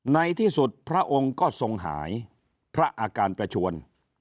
ในที่สุดพระองค์ก็ทรงหายพระอาการประชวน